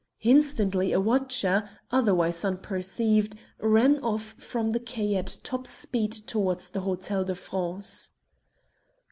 Instantly a watcher, otherwise unperceived, ran off from the quay at top speed towards the Hotel de France.